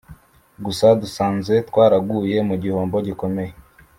gusa dusanze twaraguye mu gihombo gikomeye